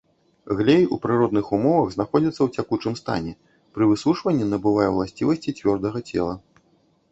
Глей у прыродных умовах знаходзіцца ў цякучым стане, пры высушванні набывае ўласцівасці цвёрдага цела.